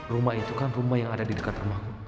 rumah itu kan rumah yang ada di dekat rumahku